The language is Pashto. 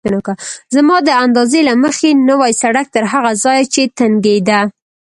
زما د اندازې له مخې نوی سړک تر هغه ځایه چې تنګېده.